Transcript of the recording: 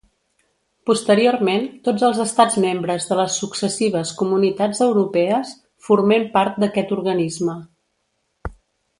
Posteriorment tots els estats membres de les successives Comunitats Europees forment part d'aquest organisme.